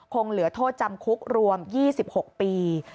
คงเหลือโทษจำคุกรวม๒๖ปี